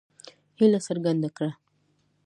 هیله څرګنده کړه.